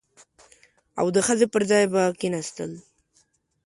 او د ښځې پر ځای به کښېناستل.